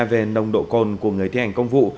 về nông độ con của người thi hành công vụ